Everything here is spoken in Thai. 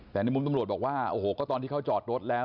แต่ในมุมตำรวจบอกว่าโอ้โหก็ตอนที่เขาจอดรถแล้ว